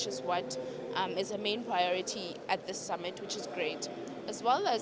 yang adalah kepentingan utama di summit ini yang sangat bagus